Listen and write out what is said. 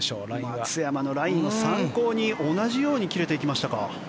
松山のラインを参考に同じように切れていきましたか。